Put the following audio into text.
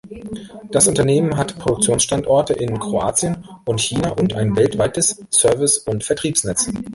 Das Unternehmen hat Produktionsstandorte in Kroatien und China und ein weltweites Service- und Vertriebsnetz.